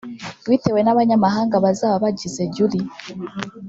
bitewe n’abanyamahanga bazaba bagize Jury